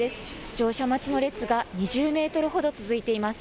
乗車待ちの列が２０メートルほど続いています。